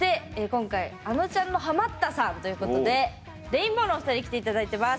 今回あのちゃんのハマったさんということでレインボーのお二人に来て頂いてます！